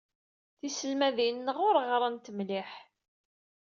Tiselmadin-nneɣ uɣrent mliḥ.